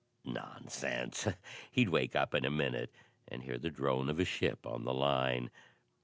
Nonsense! He'd wake up in a minute and hear the drone of a ship on the line.